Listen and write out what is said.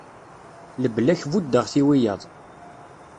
Lebla-k buddeɣ-t i wiyyaḍ.